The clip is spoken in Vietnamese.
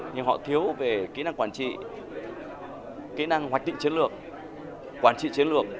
nhưng họ thiếu về kỹ năng quản trị kỹ năng hoạch định chiến lược quản trị chiến lược